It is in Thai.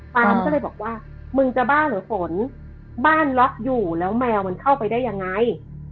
ตอนนั้นก็เลยบอกว่ามึงจะบ้าเหรอฝนบ้านล็อกอยู่แล้วแมวมันเข้าไปได้ยังไง